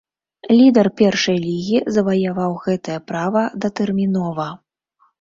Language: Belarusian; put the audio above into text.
Лідар першай лігі заваяваў гэтае права датэрмінова.